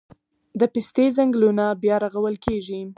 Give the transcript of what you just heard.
د پستې ځنګلونه بیا رغول کیږي